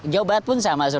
jauh banget pun sama